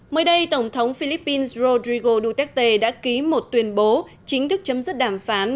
mới đây tổng thống philippines rodrigo duterte đã ký một tuyên bố chính thức chấm dứt đàm phán